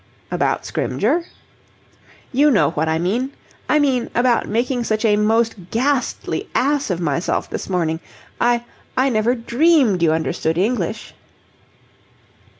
"About Scrymgeour?" "You know what I mean. I mean, about making such a most ghastly ass of myself this morning. I... I never dreamed you understood English."